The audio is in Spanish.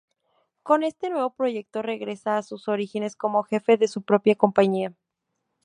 Con este nuevo proyecto regresa a sus orígenes como jefe de su propia compañía.